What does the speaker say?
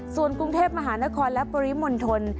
ส่วนกรุงเทพมหานครและปริมณฑล